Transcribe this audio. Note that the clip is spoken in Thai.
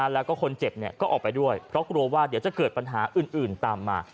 แล้วก็คนเจ็บก็ออกไปด้วยเพราะกลัวว่าเดี๋ยวจะเกิดปัญหาอื่นตามมา